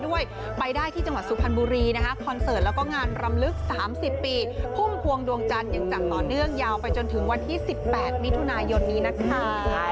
วันนี้คอนเซิร์ตและงานรำลึก๓๐ปีพุ่มควงดวงจันทร์อย่างจากต่อเนื่องยาวไปจนถึงวันที่๑๘มิถุนายนนี้นะคะ